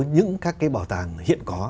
những các cái bảo tàng hiện có